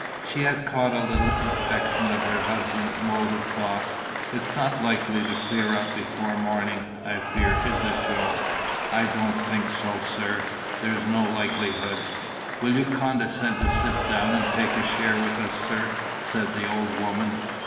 She had caught a little infection of her husband's mode of thought. "It's not likely to clear up before morning, I fear; is it, Joe?" "I don't think so, sir. There's no likelihood." "Will you condescend to sit down and take a share with us, sir?" said the old woman.